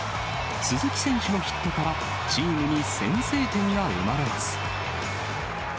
鈴木選手のヒットから、チームに先制点が生まれます。